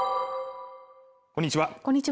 こんにちは